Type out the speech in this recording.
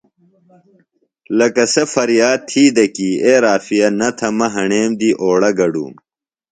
لکہ سےۡ فریاد تھی دےۡ کی اے رافعہ نہ تھہ مہ ہݨیم دی اوڑہ گڈُوم۔